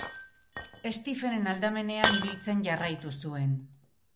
Stephenen aldamenean ibiltzen jarraitu zuen.